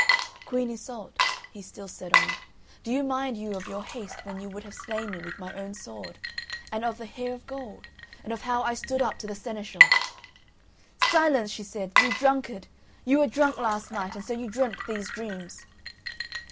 "Queen Iseult," he still said on, "do you mind you of your haste when you would have slain me with my own sword? And of the Hair of Gold? And of how I stood up to the seneschal?" "Silence!" she said, "you drunkard. You were drunk last night, and so you dreamt these dreams."